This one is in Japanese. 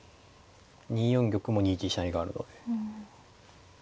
２四玉も２一飛車成があるので。